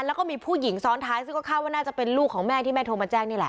แล้วก็มีผู้หญิงซ้อนท้ายซึ่งก็คาดว่าน่าจะเป็นลูกของแม่ที่แม่โทรมาแจ้งนี่แหละ